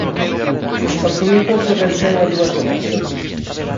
O suízo só venceu en dúas ocasións.